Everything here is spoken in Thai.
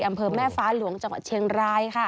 อำเภอแม่ฟ้าหลวงจังหวัดเชียงรายค่ะ